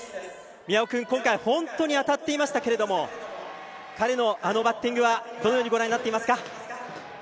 宮尾君は今回、当たっていましたけどあのバッティングはどのようにご覧になっていますか。